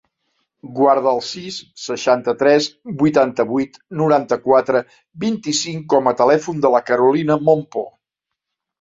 Guarda el sis, seixanta-tres, vuitanta-vuit, noranta-quatre, vint-i-cinc com a telèfon de la Carolina Mompo.